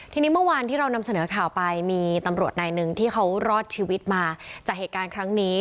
ทีนี้เมื่อวานที่เรานำเสนอข่าวไปมีตำรวจนายหนึ่งที่เขารอดชีวิตมาจากเหตุการณ์ครั้งนี้